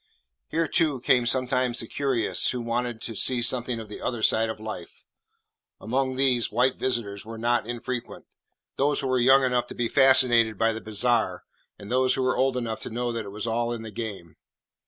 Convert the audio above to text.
Here too came sometimes the curious who wanted to see something of the other side of life. Among these, white visitors were not infrequent, those who were young enough to be fascinated by the bizarre, and those who were old enough to know that it was all in the game.